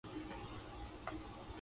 日付は明日になっていた